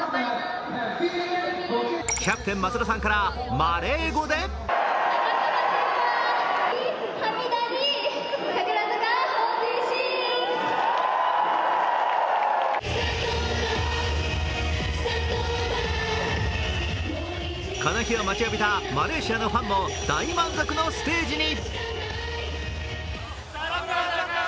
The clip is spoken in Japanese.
キャプテン・松田さんからマレー語でこの日を待ちわびたマレーシアのファンも大満足のステージに。